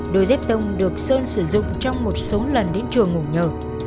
đôi dép tông được sơn sử dụng trong một số lần đến chùa ngủ nhờ